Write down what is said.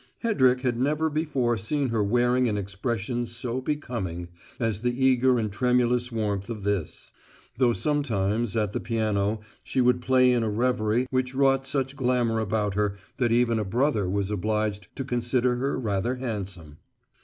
Hedrick had never before seen her wearing an expression so "becoming" as the eager and tremulous warmth of this; though sometimes, at the piano, she would play in a reverie which wrought such glamour about her that even a brother was obliged to consider her rather handsome.